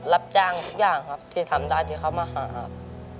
รับจ้างทุกอย่างครับที่ทำได้ที่เขามาหาครับ